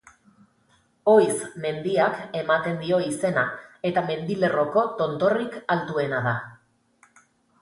Oiz mendiak ematen dio izena, eta mendilerroko tontorrik altuena da.